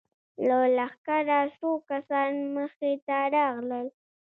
له لښکره څو کسان مخې ته راغلل.